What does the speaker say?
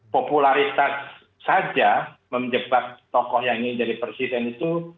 popularitas saja menyebabkan tokoh yang ini jadi presiden itu